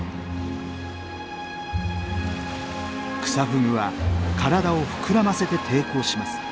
クサフグは体を膨らませて抵抗します。